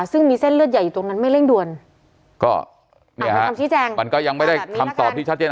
ซึ่งมีเส้นเลือดใหญ่อยู่ตรงนั้นไม่เร่งด่วนก็เนี่ยฮะคำชี้แจงมันก็ยังไม่ได้คำตอบที่ชัดเจน